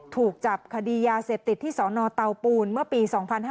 ถูกจับคดียาเสพติดที่สนเตาปูนเมื่อปี๒๕๕๙